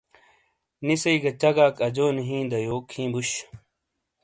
نی سئ گہ چگاک اجونی ہِیں دا یوک ہی بوش۔